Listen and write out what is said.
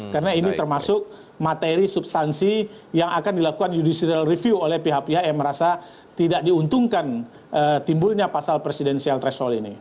karena ini termasuk materi substansi yang akan dilakukan judicial review oleh pihak pihak yang merasa tidak diuntungkan timbulnya pasal presiden threshold ini